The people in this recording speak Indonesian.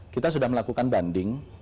kita sudah melakukan banding